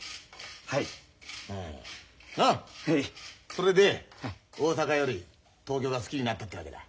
それで大阪より東京が好きになったってわけだ。